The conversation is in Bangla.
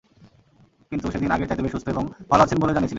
তিনি সেদিন আগের চাইতে বেশ সুস্থ এবং ভালো আছেন বলে জানিয়েছিলেন।